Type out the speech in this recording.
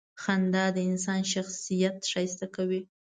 • خندا د انسان شخصیت ښایسته کوي.